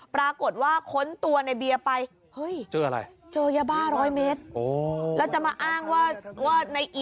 ปรากฏว่าค้นตัวในเบียร์ไปเฮ่ยเจออะไร